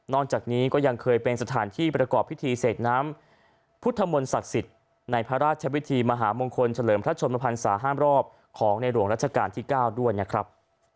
จากนี้ก็ยังเคยเป็นสถานที่ประกอบพิธีเสกน้ำพุทธมนต์ศักดิ์สิทธิ์ในพระราชวิธีมหามงคลเฉลิมพระชนมพันศาห้ามรอบของในหลวงรัชกาลที่๙ด้วยนะครับ